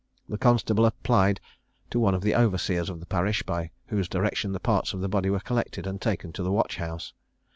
The constable applied to one of the overseers of the parish, by whose direction the parts of the body were collected and taken to the watch house.